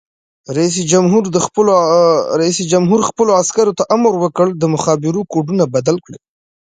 رئیس جمهور خپلو عسکرو ته امر وکړ؛ د مخابرو کوډونه بدل کړئ!